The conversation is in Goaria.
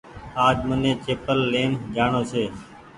آج مني چيپل لين جآڻو ڇي